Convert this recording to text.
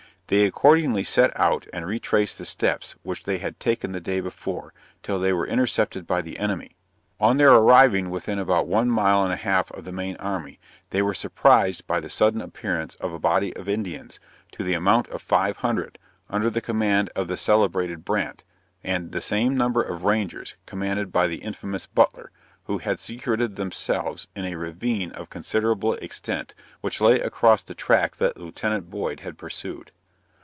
They accordingly set out and retraced the steps which they had taken the day before, till they were intercepted by the enemy. On their arriving within about one mile and a half of the main army, they were surprized by the sudden appearance of a body of Indians, to the amount of five hundred, under the command of the celebrated Brandt, and the same number of Rangers, commanded by the infamous Butler, who had secreted themselves in a ravine of considerable extent, which lay across the track that Lieut. Boyd had pursued.